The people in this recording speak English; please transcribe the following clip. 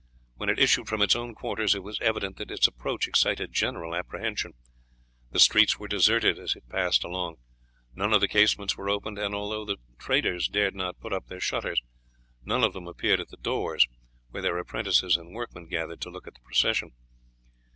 When it issued from its own quarters it was evident that its approach excited general apprehension. The streets were deserted as it passed along. None of the casements were opened, and although the traders dared not put up their shutters, none of them appeared at the doors, where their apprentices and workmen gathered to look at the procession.